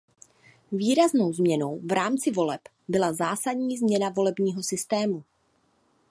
Výraznou změnou v rámci voleb byla zásadní změna volebního systému.